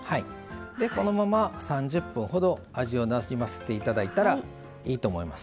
このまま３０分ほど味をなじませていただいたらいいと思います。